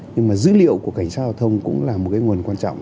nhưng mà dữ liệu của cảnh sát giao thông cũng là một cái nguồn quan trọng